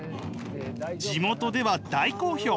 地元では大好評。